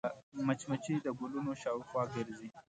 مچمچۍ د ګلونو شاوخوا ګرځي